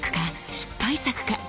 失敗作か？